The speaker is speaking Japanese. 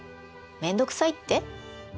面倒くさいって？